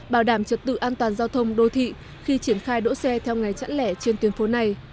bảo đảm trật tự an toàn giao thông đô thị khi triển khai đỗ xe theo ngày chẵn lẻ trên tuyến phố này